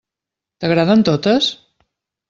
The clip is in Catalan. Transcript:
T'agraden totes?